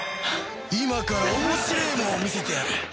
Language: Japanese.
今から面白えものを見せてやる。